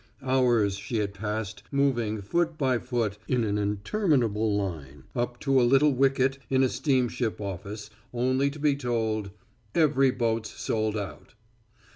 Hours she had passed moving, foot by foot, in an interminable line, up to a little wicket in a steamship office, only to be told, "Every boat's sold out."